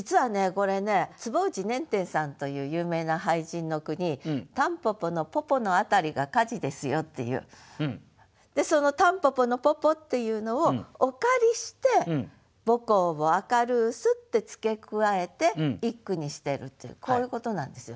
これね坪内稔典さんという有名な俳人の句に「たんぽぽのぽぽのあたりが火事ですよ」っていうその「たんぽぽのぽぽ」っていうのをお借りして「母校を明るうす」って付け加えて一句にしてるっていうこういうことなんですよ。